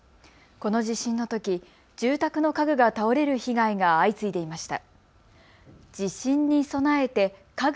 この地震のとき住宅の家具が倒れる被害が相次いでいました。